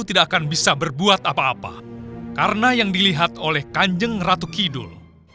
tidak akan bisa berbuat apa apa karena yang dilihat oleh kanjeng ratu kidul